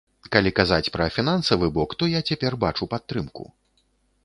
Калі казаць пра фінансавы бок, то я цяпер бачу падтрымку.